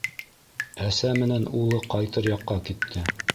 Әсә менән улы ҡайтыр яҡҡа китте.